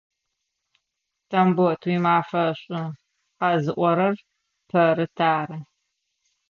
Тамбот, уимафэ шӏу, къэзыӏорэр Пэрыт ары!